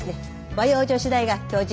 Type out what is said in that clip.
和洋女子大学教授